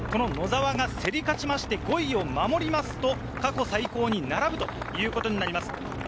野澤が競り勝って５位を守ると過去最高に並ぶということになります。